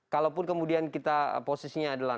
kalaupun kemudian kita posisinya adalah